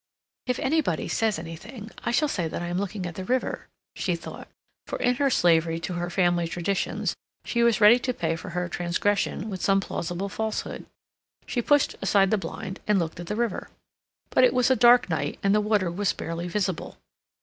"If anybody says anything, I shall say that I'm looking at the river," she thought, for in her slavery to her family traditions, she was ready to pay for her transgression with some plausible falsehood. She pushed aside the blind and looked at the river. But it was a dark night and the water was barely visible.